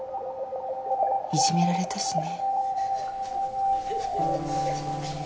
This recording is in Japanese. いじめられたしね。